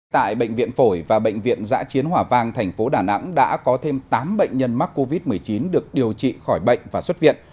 tại bệnh viện phổi và bệnh viện giã chiến hỏa vang thành phố đà nẵng đã có thêm tám bệnh nhân mắc covid một mươi chín được điều trị khỏi bệnh và xuất viện